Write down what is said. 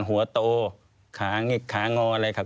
ควิทยาลัยเชียร์สวัสดีครับ